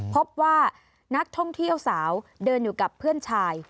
พบว่านักท่องเที่ยวสาวเดินอยู่กับเพื่อนชาย